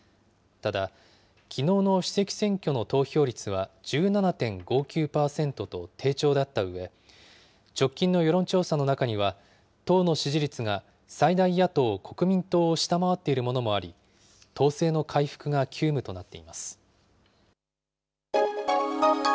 ただ、きのうの主席選挙の投票率は１７．５９％と低調だったうえ、直近の世論調査の中には、党の支持率が最大野党・国民党を下回っているものもあり、党勢の回復が急務となっています。